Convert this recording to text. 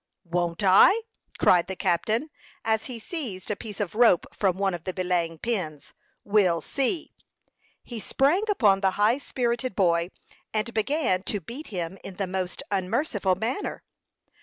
"Won't I?" cried the captain, as he seized a piece of rope from one of the belaying pins. "We'll see." He sprang upon the high spirited boy, and began to beat him in the most unmerciful manner.